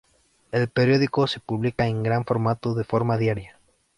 El periódico se publica en gran formato de forma diaria.